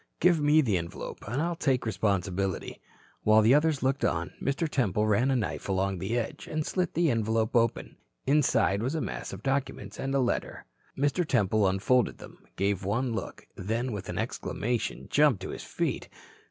Give me the envelope. I'll take the responsibility." While the others looked on, Mr. Temple ran a knife along the edge and slit the envelope open. Inside was a mass of documents and a letter. Mr. Temple unfolded them, gave one look, then with an exclamation jumped to his feet.